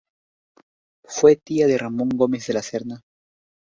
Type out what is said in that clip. Fue tía de Ramón Gómez de la Serna.